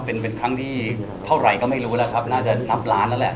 เป็นเป็นครั้งที่เท่าไหร่ก็ไม่รู้แล้วครับน่าจะนับล้านแล้วแหละ